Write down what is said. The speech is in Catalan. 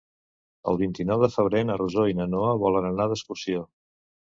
El vint-i-nou de febrer na Rosó i na Noa volen anar d'excursió.